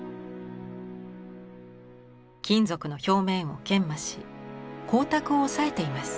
金属の表面を研磨し光沢を抑えています。